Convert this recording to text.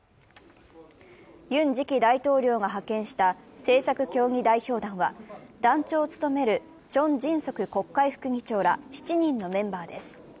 ユン次期大統領が派遣した政策協議代表団は、団長を務めるチョン・ジンソク国会副議長ら７人のメンバーです。